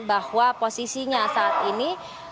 bahwa posisinya saat ini